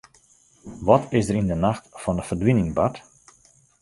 Wat is der yn 'e nacht fan de ferdwining bard?